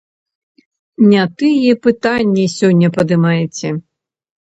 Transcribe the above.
Не тыя пытанні сёння падымаеце.